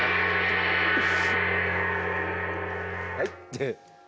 はい。